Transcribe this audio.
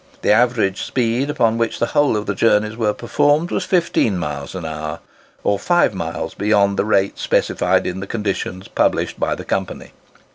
The average speed at which the whole of the journeys were performed was 15 miles an hour, or 5 miles beyond the rate specified in the conditions published by the Company.